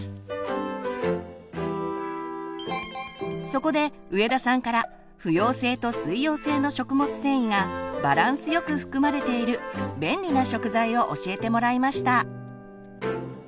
そこで上田さんから不溶性と水溶性の食物繊維がバランスよく含まれている便利な食材を教えてもらいました。